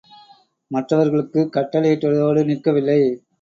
மற்றவர்களுக்குக் கட்டளையிட்டதோடு நிற்கவில்லை.